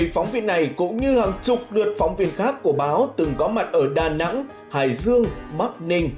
một mươi phóng viên này cũng như hàng chục đợt phóng viên khác của báo từng có mặt ở đà nẵng hải dương mắc ninh